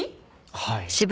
はい。